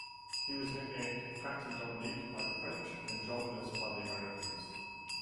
He was nicknamed "Captain Dominique" by the French and "Johnness" by the Americans.